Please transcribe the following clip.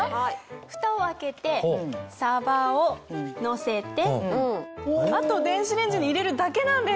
ふたを開けてさばをのせてあと電子レンジに入れるだけなんです。